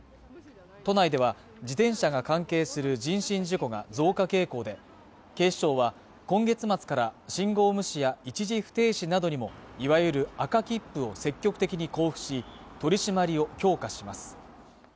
都内では自転車が関係する人身事故が増加傾向で警視庁は今月末から信号無視や一時不停止などにもいわゆる赤切符を積極的に交付し取り締まりを強化します